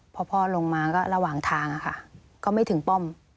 พอพ่อลงมาก็ระหว่างทางค่ะก็ไม่ถึงป้อม